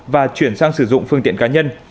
và chuyển sang sử dụng phương tiện cá nhân